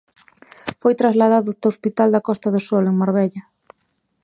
Foi trasladado ata o hospital da Costa do Sol, en Marbella.